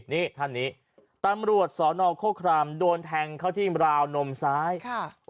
นี่ท่านนี้ตำรวจสอนอโคครามโดนแทงเข้าที่ราวนมซ้ายค่ะ